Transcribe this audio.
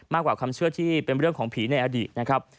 กว่าความเชื่อที่เป็นเรื่องของผีในอดีตนะครับ